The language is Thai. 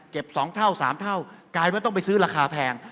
เก็บสองเท่าสามเท่ากลายเป็นต้องไปซื้อราคาแพง